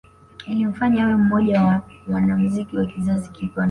Ilimfanya awe mmoja wa wanamuziki wa kizazi kipya wanaoheshimika